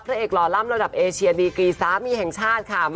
เอกหล่อล่ำระดับเอเชียดีกรีสามีแห่งชาติค่ะ